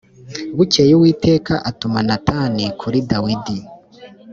Bukeye Uwiteka atuma Natani kuri Dawidi